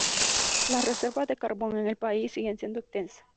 Las reservas de carbón en el país siguen siendo extensas.